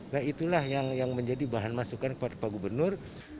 nah itulah yang menjadi bahan masukan kepada pak gubernur